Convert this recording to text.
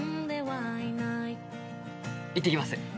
行ってきます。